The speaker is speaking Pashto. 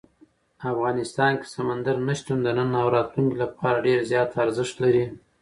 افغانستان کې سمندر نه شتون د نن او راتلونکي لپاره ډېر زیات ارزښت لري.